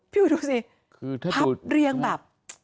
อุ๋ยดูสิพับเรียงแบบ